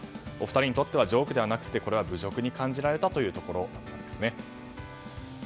お二人にとってはジョークではなくて侮辱に感じられたというところなんですね。